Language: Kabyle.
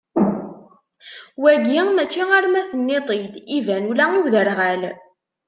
Wagi mačči arma tenniḍ-t-id, iban ula i uderɣal.